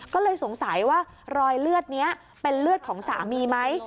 ก็เลยสงสัยว่ารอยเลือดนี้เป็นเลือดของสามีไหม